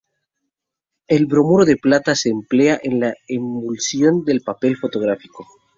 El bromuro de plata se emplea en la emulsión del papel fotográfico.